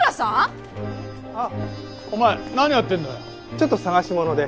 ちょっと探し物で。